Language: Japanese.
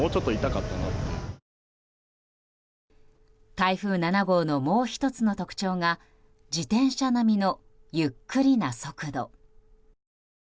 台風７号のもう１つの特徴が自転車並みのゆっくりな速度。